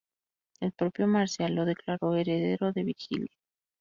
El propio Marcial lo declaró heredero de Virgilio.